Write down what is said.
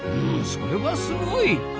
うんそれはすごい！